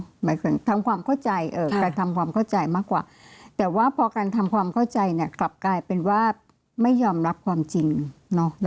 หมายถึงทำความเข้าใจการทำความเข้าใจมากกว่าแต่ว่าพอการทำความเข้าใจเนี่ยกลับกลายเป็นว่าไม่ยอมรับความจริงเนาะ